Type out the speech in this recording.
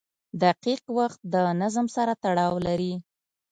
• دقیق وخت د نظم سره تړاو لري.